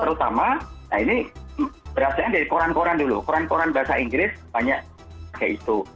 terutama ini berasalnya dari koran koran dulu koran koran bahasa inggris banyak kayak itu